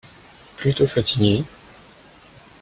Plutôt fatigué.